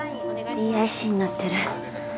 ＤＩＣになってる。